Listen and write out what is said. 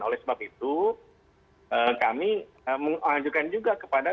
oleh sebab itu kami mengajukan juga kepada